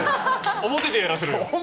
表でやらせろよ！